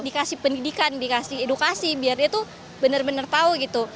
dikasih pendidikan dikasih edukasi biar itu benar benar tahu gitu